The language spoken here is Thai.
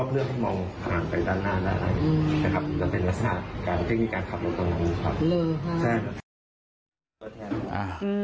เลยค่ะ